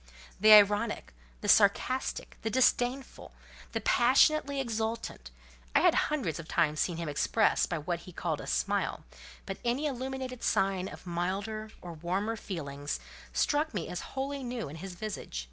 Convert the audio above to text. The ironic, the sarcastic, the disdainful, the passionately exultant, I had hundreds of times seen him express by what he called a smile, but any illuminated sign of milder or warmer feelings struck me as wholly new in his visage.